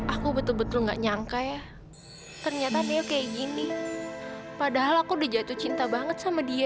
aku betul betul gak nyangka ya ternyata neo kayak gini padahal aku udah jatuh cinta banget sama dia